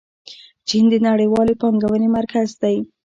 چین د نړیوالې پانګونې مرکز دی.